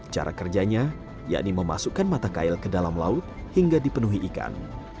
cara kerjanya yakni memasukkan mata kail ke dalam laut hingga dipenuhi ikan